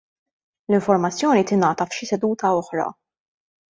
l-informazzjoni tingħata f'xi seduta oħra.